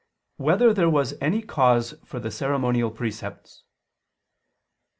1] Whether There Was Any Cause for the Ceremonial Precepts?